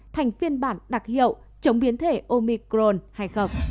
thành phiên bản đặc hiệu chống biến thể omicron hay không